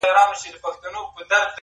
یوه بل ته یې کتل دواړه حیران سول-